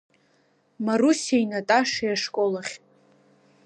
Марусиеи Наташеи ашкол ахь.